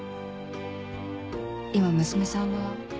今娘さんは？